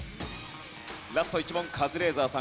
ラスト１問カズレーザーさん。